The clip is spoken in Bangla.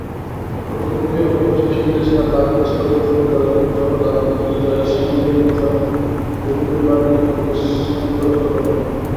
কর্তৃপক্ষীয় পদস্থ ইংরেজ তাঁর বাড়িতে চিরপ্রচলিত জগদ্ধাত্রীপূজায় শ্যাম্পেন-প্রসাদ ভুরিপরিমাণেই অন্তরস্থ করতেন।